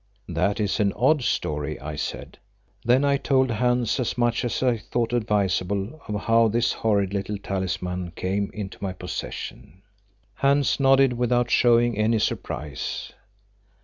"That is an odd story," I said. Then I told Hans as much as I thought advisable of how this horrid little talisman came into my possession. Hans nodded without showing any surprise.